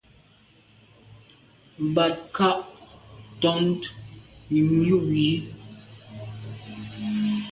Mbat nka’ tonte yub yi.